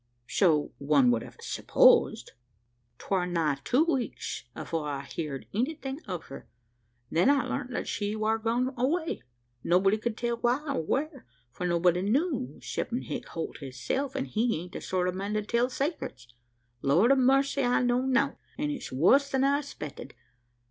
"So one would have supposed." "'Twar nigh two weeks afore I heerd anything o' her; then I larned that she war gone away. Nobody could tell why or whar, for nobody knew, 'ceptin Hick Holt hisself; an' he ain't the sort o' man to tell saycrets. Lord o' mercy! I know nowt an' it's worse than I expected.